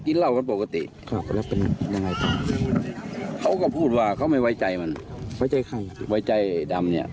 กินเหล้ากันปกติเขาก็พูดว่าเขาไม่ไว้ใจมันไว้ใจใครไว้ใจดำเนี้ย